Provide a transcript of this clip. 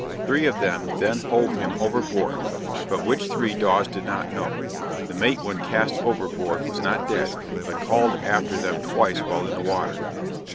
three of them then hove him overboard, but which three Dawes does not know; the mate when cast overboard was not dead, but called after them twice while in the water!